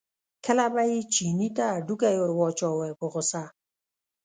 کله به یې چیني ته هډوکی ور واچاوه په غوسه.